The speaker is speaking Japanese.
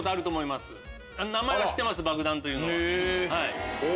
名前は知ってますばくだんというのは。